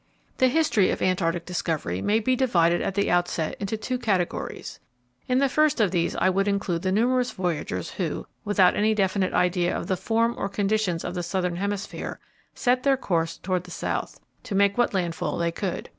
The history of Antarctic discovery may be divided at the outset into two categories. In the first of these I would include the numerous voyagers who, without any definite idea of the form or conditions of the southern hemisphere, set their course toward the South, to make what landfall they could.